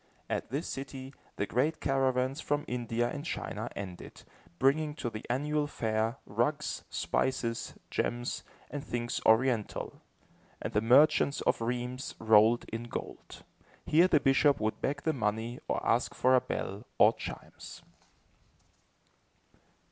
At this city, the great caravans from India and China ended, bringing to the annual fair, rugs, spices, gems, and things Oriental, and the merchants of Rheims rolled in gold. Here the bishop would beg the money, or ask for a bell, or chimes.